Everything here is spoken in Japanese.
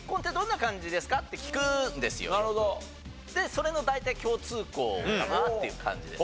それの大体共通項かなっていう感じです。